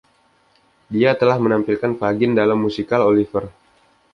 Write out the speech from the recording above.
Dia telah menampilkan Fagin dalam musikal Oliver!